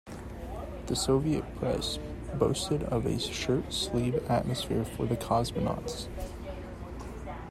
The Soviet press boasted of a "shirt-sleeve" atmosphere for the cosmonauts.